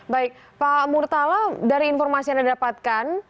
baik pak murtala dari informasi yang anda dapatkan